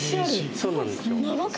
そうなんですよ。